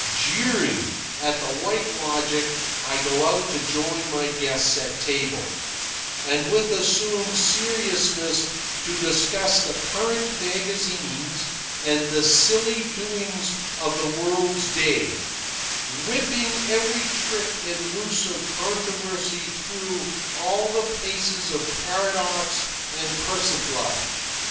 Jeering at the White Logic, I go out to join my guests at table, and with assumed seriousness to discuss the current magazines and the silly doings of the world's day, whipping every trick and ruse of controversy through all the paces of paradox and persiflage.